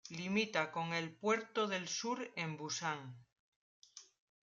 Limita con el puerto del Sur en Busan.